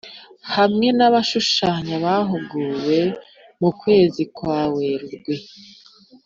hamwe n’abashushanya bahuguwe mu kwezi kwa Werurwe